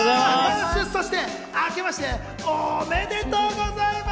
そして、あけましておめでとうございます！